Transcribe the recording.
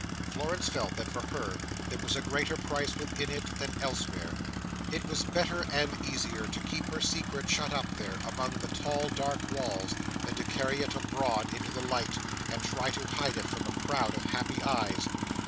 Florence felt that, for her, there was greater peace within it than elsewhere. It was better and easier to keep her secret shut up there, among the tall dark walls, than to carry it abroad into the light, and try to hide it from a crowd of happy eyes.